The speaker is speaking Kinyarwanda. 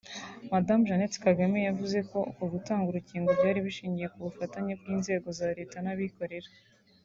Madamu Jeannette Kagame yavuze ko uku gutanga inkingo byari bishingiye ku bufatanye bw’inzego za leta n’abikorera